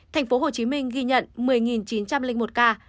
thành phố hồ chí minh ghi nhận một mươi chín trăm linh một ca